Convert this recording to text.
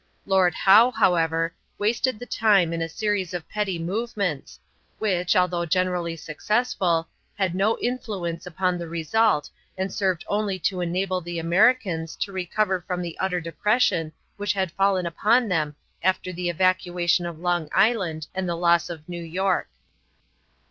Lord Howe, however, wasted the time in a series of petty movements, which, although generally successful, had no influence upon the result and served only to enable the Americans to recover from the utter depression which had fallen upon them after the evacuation of Long Island and the loss of New York.